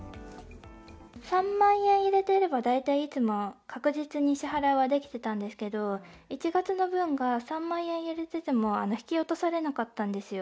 ３万円入れていれば、大体いつも確実に支払いはできてたんですけど、１月の分が３万円入れてても引き落とされなかったんですよ。